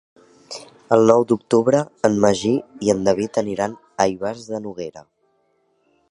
El nou d'octubre en Magí i en David aniran a Ivars de Noguera.